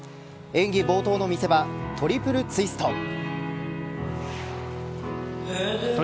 演技冒頭の見せ場トリプルツイスト。